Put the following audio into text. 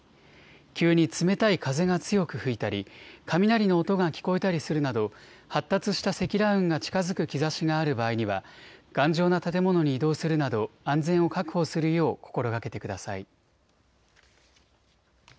急に冷たい風が強く吹いたり、雷の音が聞こえたりするなど発達した積乱雲が近づく兆しがある場合には頑丈な建物に移動するなど安全を確保するよう心がけてください。